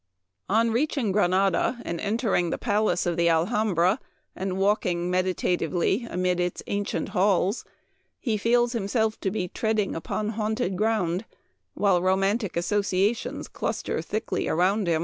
On reaching Granada and entering the palace of the Alhambra, and walking meditatively amid its ancient halls, he feels himself to be treading upon haunted ground, while romantic associa tions cluster thickly around him.